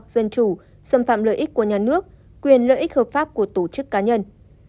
dân chủ xâm phạm lợi ích của nhà nước quyền lợi ích hợp pháp của tổ chức cá nhân